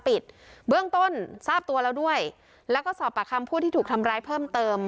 เบื้องต้นทราบตัวแล้วด้วยแล้วก็สอบปากคำผู้ที่ถูกทำร้ายเพิ่มเติม